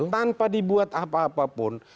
tanpa dibuat apa apa pun